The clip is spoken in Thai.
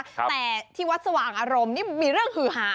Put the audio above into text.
แต่ที่วัดสว่างอารมณ์นี่มีเรื่องหือหา